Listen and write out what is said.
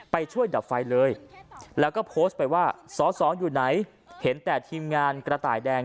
ไปช่วยดับไฟเลยแล้วก็โพสต์ไปว่าสอสออยู่ไหนเห็นแต่ทีมงานกระต่ายแดง